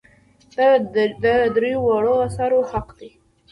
دا د دریو واړو آثارو حق دی.